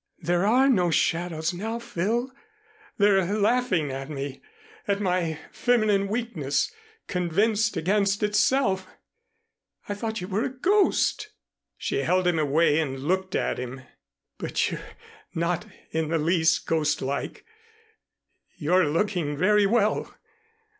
There are no shadows now, Phil. They're laughing at me, at my feminine weakness, convinced against itself. I thought you were a ghost." She held him away and looked at him. "But you're not in the least ghostlike. You're looking very well.